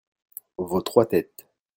Vos trois têtes.